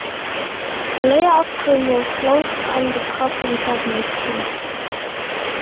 The layer of cream will float on the coffee without mixing.